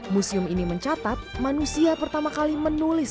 museum ini mencatat manusia pertama kali menulis